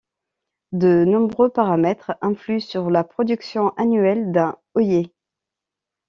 De nombreux paramètres influent sur la production annuelle d'un œillet.